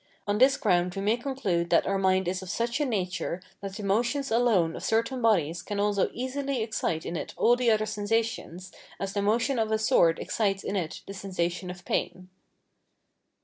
On this ground we may conclude that our mind is of such a nature that the motions alone of certain bodies can also easily excite in it all the other sensations, as the motion of a sword excites in it the sensation of pain.